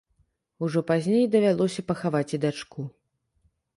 Ужо пазней давялося пахаваць і дачку.